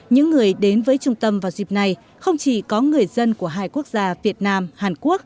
những người đến với trung tâm vào dịp này không chỉ có người dân của hai quốc gia việt nam hàn quốc